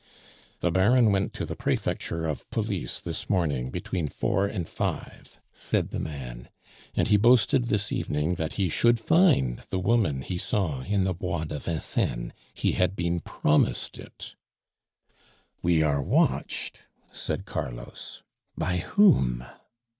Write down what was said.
"The Baron went to the Prefecture of Police this morning between four and five," said the man, "and he boasted this evening that he should find the woman he saw in the Bois de Vincennes he had been promised it " "We are watched!" said Carlos. "By whom?"